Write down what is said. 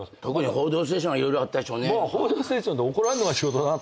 『報道ステーション』で怒られるのが仕事だと思ったから。